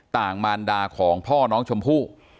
มารดาของพ่อน้องชมพู่